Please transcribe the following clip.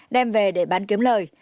đem về để bán kiếm lời